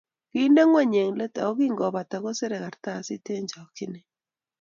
Kiinde ngweny eng let ako kingopata koserei kartasit eng chokchinet